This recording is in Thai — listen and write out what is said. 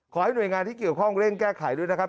ขอให้หน่วยงานที่เกี่ยวข้องเร่งแก้ไขด้วยนะครับ